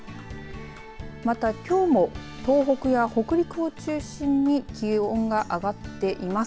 またきょうも東北や北陸を中心に気温が上がっています。